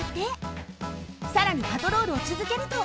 さらにパトロールをつづけると。